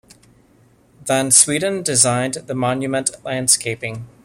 Van Sweden designed the monument landscaping.